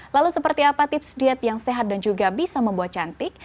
lalu seperti apa tips diet yang sehat dan juga bisa membuat cantik